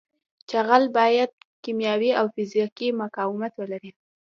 جغل باید کیمیاوي او فزیکي مقاومت ولري